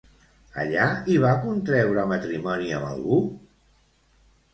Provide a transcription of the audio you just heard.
Allà hi va contreure matrimoni amb algú?